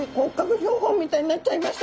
標本みたいになっちゃいました。